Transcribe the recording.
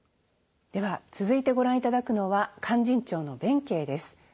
では続いてご覧いただくのは「勧進帳」の弁慶です。